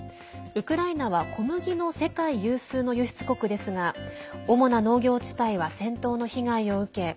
ウクライナは小麦の世界有数の輸出国ですが主な農業地帯は戦闘の被害を受け